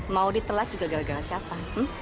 mau ditelat juga gara gara siapa